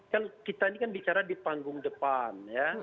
kan kita ini kan bicara di panggung depan ya